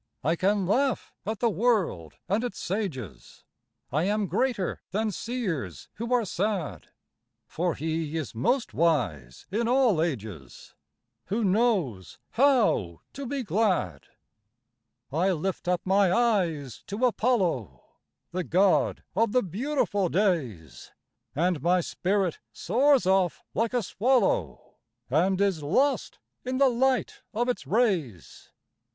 I can laugh at the world and its sages— I am greater than seers who are sad, For he is most wise in all ages Who knows how to be glad. I lift up my eyes to Apollo, The god of the beautiful days, And my spirit soars off like a swallow, And is lost in the light of its rays.